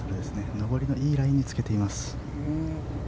上りのいいライにつけています。